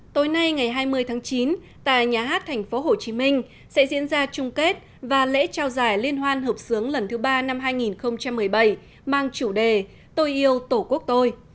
tối nay ngày hai mươi tháng chín tại nhà hát thành phố hồ chí minh sẽ diễn ra chung kết và lễ trao giải liên hoan hợp sướng lần thứ ba năm hai nghìn một mươi bảy mang chủ đề tôi yêu tổ quốc tôi